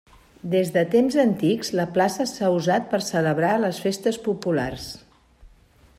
Des de temps antics, la plaça s'ha usat per celebrar les festes populars.